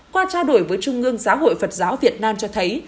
qua trao đổi với trung ương giáo hội phật giáo việt nam cho thấy